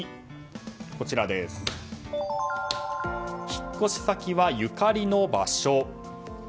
引っ越し先は、ゆかりの場所。